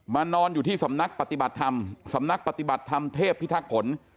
นอนอยู่ที่สำนักปฏิบัติธรรมสำนักปฏิบัติธรรมเทพพิทักษ์ผล